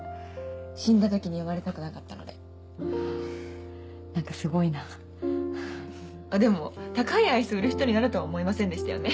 死んだときに読まれたくなかったのでなんかすごいなでも高いアイス売る人になるとは思いませんでしたよね